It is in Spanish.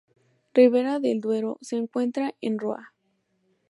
Ribera del Duero se encuentra en Roa.